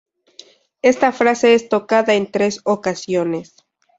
Esta frase es tocada en tres ocasiones.